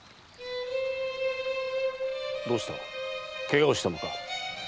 どうしたケガをしたのか？